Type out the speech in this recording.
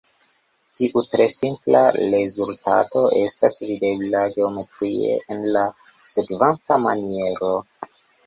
Tiu tre simpla rezultato estas videbla geometrie, en la sekvanta maniero.